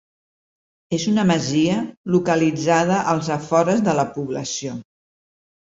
És una masia localitzada als afores de la població.